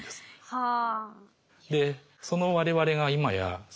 はあ。